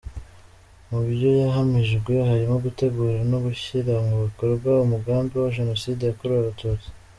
Mu byo yahamijwe harimo gutegura no gushyira mu bikorwa umugambi wa Jenoside yakorewe Abatutsi.